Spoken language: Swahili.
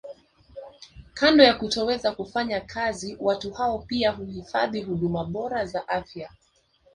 Kando ya kutoweza kufanya kazi watu hao pia huhitaji huduma bora za afya